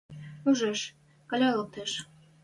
Ужеш: Каля лӓктеш